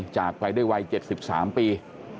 จากไปด้วยวัย๗๓ปี